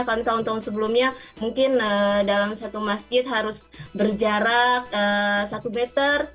kalau tahun tahun sebelumnya mungkin dalam satu masjid harus berjarak satu meter